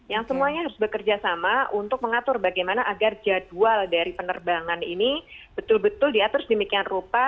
yang semuanya harus bekerja sama untuk mengatur bagaimana agar jadwal dari penerbangan ini betul betul diatur sedemikian rupa